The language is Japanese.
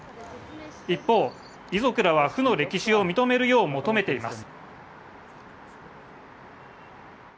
一方、遺族らは負の歴史を認めるよう求めています。